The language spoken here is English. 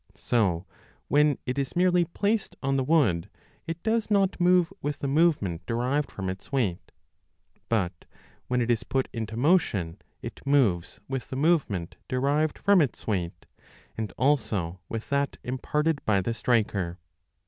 So when it is merely placed on the wood, it does 20 not move with the movement derived from its weight ; but when it is put into motion, it moves with the movement derived from its weight and also with that imparted by the striker.